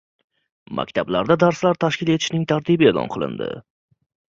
Maktablarda darslar tashkil etishning tartibi e’lon qilindi